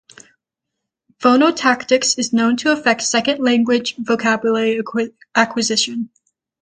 Phonotactics is known to affect second language vocabulary acquisition.